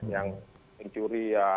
yang mencuri ya